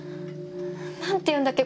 なんていうんだっけ？